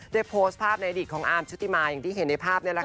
ได้โพสต์ภาพในอดีตของอาร์มชุติมาอย่างที่เห็นในภาพนี่แหละค่ะ